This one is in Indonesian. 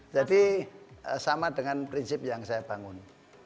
jadi sama dengan prinsip yang saya bangun